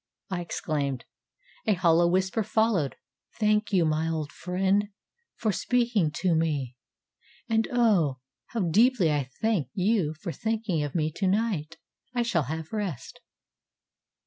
ŌĆØ I exclaimed. A hollow whisper followed: ŌĆ£Thank you, my old friend, for speaking to me, and, oh, how deeply I thank you for thinking of me to night I shall have rest.